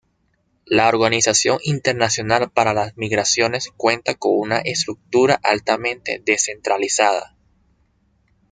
La Organización Internacional para las Migraciones cuenta con una estructura altamente descentralizada.